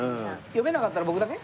読めなかったの僕だけ？